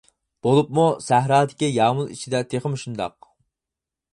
بولۇپمۇ سەھرادىكى يامۇل ئىچىدە تېخىمۇ شۇنداق.